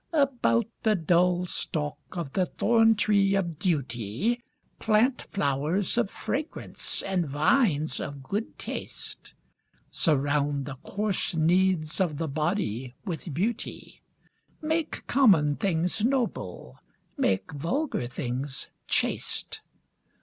About the dull stalk of the thorntree of duty Plant flowers of fragrance and vines of good taste. Surround the coarse needs of the body with beauty, Make common things noble, make vulgar things chaste.